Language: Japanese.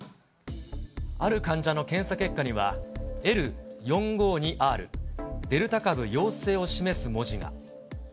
ある患者の検査結果には、Ｌ４５２Ｒ、デルタ株陽性を示す文字が。